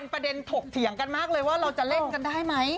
ถกเถียงกันมากเลยว่าเราจะเล่นกันได้ไหม